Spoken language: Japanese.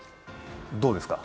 どうですか？